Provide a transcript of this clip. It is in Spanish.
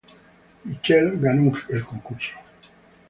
Michelle ganó el concurso.